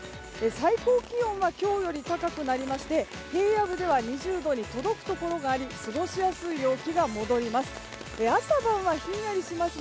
最高気温は今日より高くなりまして平野部では２０度に届くところがあり過ごしやすい陽気が戻ります。